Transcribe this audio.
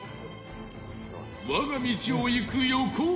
我が道を行く横尾